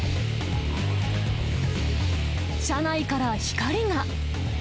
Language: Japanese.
車内から光が。